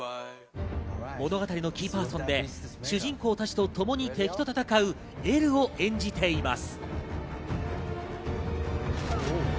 物語のキーパーソンで、主人公たちとともに敵と戦うエルを演じています。